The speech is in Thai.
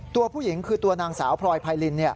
ตัวผู้หญิงคือตัวนางสาวพลอยไพริน